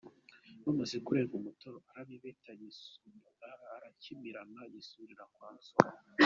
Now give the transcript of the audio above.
Bamaze kurenga umutaru, arabibeta, arakimirana yisubirira kwa Nsoro.